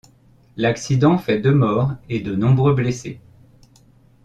L'accident fait deux morts et de nombreux blessés.